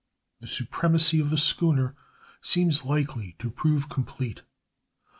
The supremacy of the schooner seems likely to prove complete.